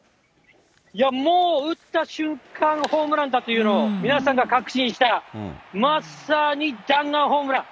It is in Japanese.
いやもう、打った瞬間、ホームランだというのを皆さんが確信した、まさに弾丸ホームラン。